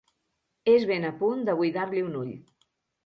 És ben a punt de buidar-li un ull.